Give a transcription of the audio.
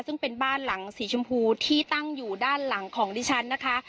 ซึ่งเป็นบ้านหลังสีชมพูที่ตั้งอยู่ด้านหลังของดิฉันนะคะ